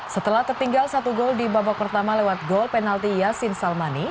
setelah tertinggal satu gol di babak pertama lewat gol penalti yasin salmani